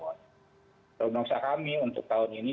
undang undang usaha kami untuk tahun ini